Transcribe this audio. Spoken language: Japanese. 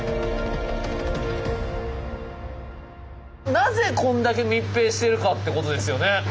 なぜこんだけ密閉してるかってことですよね。